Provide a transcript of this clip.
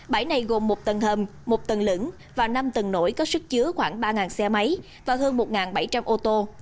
bãi này gồm một tầng hầm một tầng lửng và năm tầng nổi có sức chứa khoảng ba xe máy và hơn một bảy trăm linh ô tô